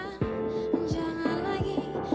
mana yang disalah yang nyata